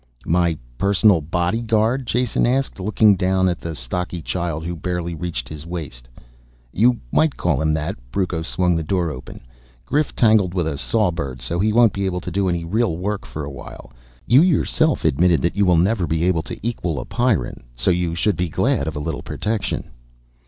"My personal bodyguard?" Jason asked, looking down at the stocky child who barely reached his waist. "You might call him that." Brucco swung the door open. "Grif tangled with a sawbird, so he won't be able to do any real work for a while. You yourself admitted that you will never be able to equal a Pyrran, so you should be glad of a little protection."